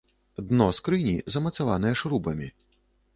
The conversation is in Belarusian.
Дно скрыні замацаванае шрубамі.